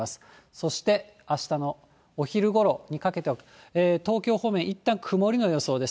そしてあしたのお昼ごろにかけては、東京方面いったん曇りの予想です。